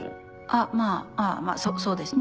あまぁまぁそうですね。